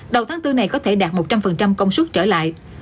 đầu tháng bốn này có thể đạt một trăm linh công suất trở lại